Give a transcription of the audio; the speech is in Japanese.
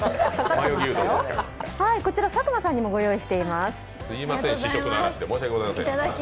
こちら佐久間さんにもご用意しております。